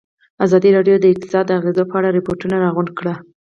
ازادي راډیو د اقتصاد د اغېزو په اړه ریپوټونه راغونډ کړي.